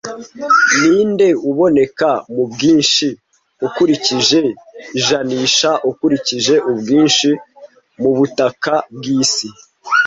Ninde uboneka mubwinshi ukurikije ijanisha ukurikije ubwinshi mubutaka bwisi